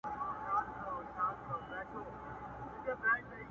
خزان له پېغلو پېزوانونو سره لوبي کوي.!